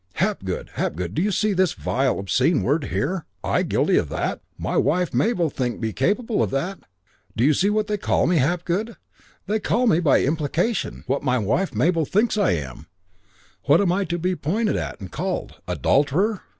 'Hapgood, Hapgood, do you see this vile, obscene word here? I guilty of that? My wife, Mabel, think me capable of that? Do you see what they call me, Hapgood? What they call me by implication, what my wife, Mabel, thinks I am, what I am to be pointed at and called? Adulterer!